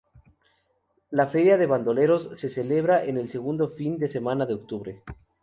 La Feria de Bandoleros se celebra el segundo fin de semana de octubre.